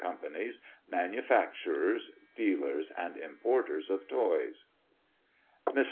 's, Manufacturers, Dealers, and Importers of Toys. Mrs.